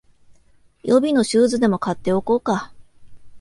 予備のシューズでも買っておこうか